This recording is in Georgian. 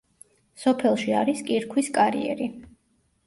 სოფელში არის კირქვის კარიერი.